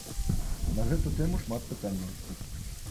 На гэту тэму шмат пытанняў.